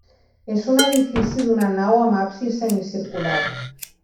És un edifici d'una nau amb absis semicircular.